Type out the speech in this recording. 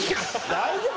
大丈夫？